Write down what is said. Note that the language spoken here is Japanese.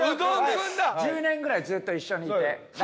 １０年ぐらいずっと一緒にいて仲はいい。